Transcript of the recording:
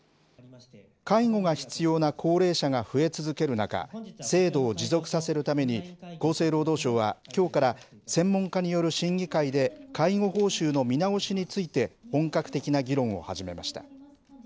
介護が必要な高齢者が増え続ける中、制度を持続させるために、厚生労働省はきょうから、専門家による審議会で介護報酬の見直しについて、本格的な議論を始めました。